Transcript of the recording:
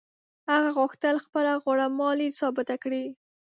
هغه غوښتل خپله غوړه مالي ثابته کړي.